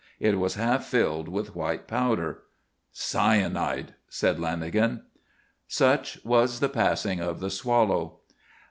It was half filled with white powder. "Cyanide," said Lanagan. Such was the passing of the Swallow.